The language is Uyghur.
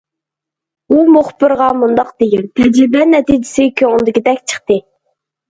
ئۇ مۇخبىرغا مۇنداق دېگەن، تەجرىبە نەتىجىسى« كۆڭۈلدىكىدەك» چىقتى.